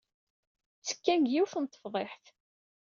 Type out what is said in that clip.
Ttekkan deg yiwet n tefḍiḥt.